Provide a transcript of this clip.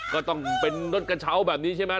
ก็ต้องเป็นรถกระเช้าแบบนี้ใช่ไหม